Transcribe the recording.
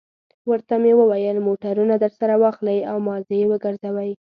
ورته مې وویل: موټرونه درسره واخلئ او مازې یې وګرځوئ.